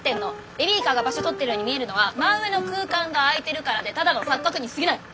ベビーカーが場所とってるように見えるのは真上の空間が空いてるからでただの錯覚にすぎない。